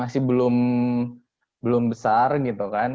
masih belum besar gitu kan